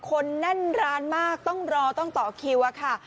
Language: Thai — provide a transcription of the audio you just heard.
คนแน่นร้านมากต้องรอต้องต่อคิวอะค่ะ